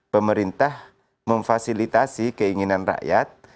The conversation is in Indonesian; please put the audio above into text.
pemerintah memfasilitasi keinginan rakyat